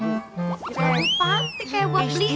bupati kayak buat beli es